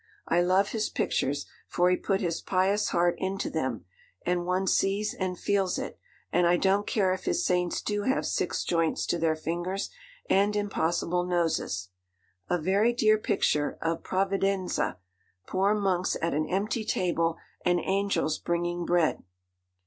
I love his pictures, for he put his pious heart into them, and one sees and feels it, and I don't care if his saints do have six joints to their fingers and impossible noses. A very dear picture of "Providenza," poor monks at an empty table and angels bringing bread.